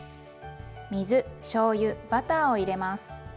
水しょうゆバターを入れます。